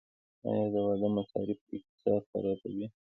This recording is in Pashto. آیا د واده مصارف اقتصاد خرابوي؟